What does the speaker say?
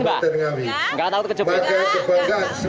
maka kebanggaan semuanya